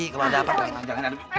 kalau ada apa apa kita jalanin aduk